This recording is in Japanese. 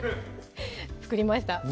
作りました